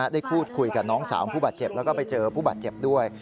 ได้พูดคุยกับน้องสาวผู้บาดเจ็บแล้วก็ไปเจอผู้บาดเจ็บด้วย